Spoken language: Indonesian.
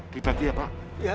dibagi ya pak